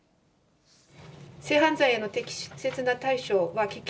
性犯罪への適切な対処は喫緊